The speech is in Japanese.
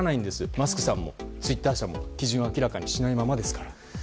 マスクさんもツイッター社も基準を明らかにしないままですから。